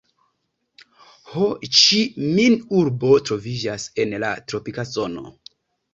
Ho-Ĉi-Min-urbo troviĝas en la tropika zono.